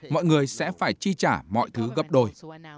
mọi người sẽ phải chi trả mọi thứ gấp đôi